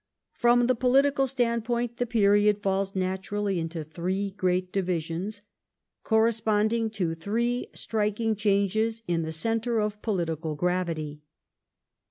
From the political standpoint the period falls naturally into three great divisions, corresponding to three striking changes in the centre of political gravity.